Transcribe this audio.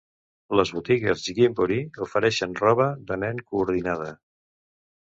Les botigues Gymboree ofereixen roba de nen coordinada.